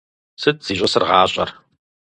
Сыт зищӀысыр гъащӀэр?